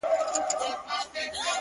د پامیر لوري یه د ښکلي اریانا لوري،